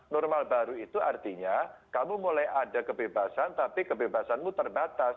normal baru itu artinya kamu mulai ada kebebasan tapi kebebasanmu terbatas